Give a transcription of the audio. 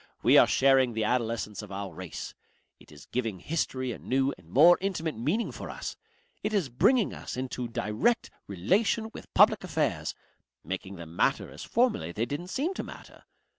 We are sharing the adolescence of our race. It is giving history a new and more intimate meaning for us. It is bringing us into directer relation with public affairs, making them matter as formerly they didn't seem to matter.